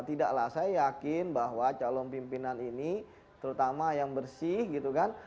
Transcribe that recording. tidaklah saya yakin bahwa calon pimpinan ini terutama yang bersih gitu kan